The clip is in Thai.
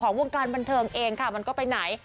วงการบันเทิงเองค่ะมันก็ไปไหน